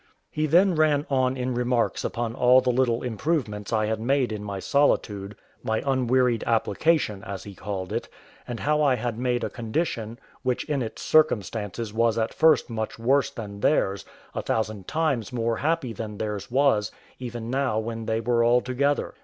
He then ran on in remarks upon all the little improvements I had made in my solitude: my unwearied application, as he called it; and how I had made a condition, which in its circumstances was at first much worse than theirs, a thousand times more happy than theirs was, even now when they were all together.